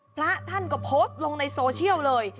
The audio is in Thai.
พระท่านก็โพสต์ลงในโซเชียลเลย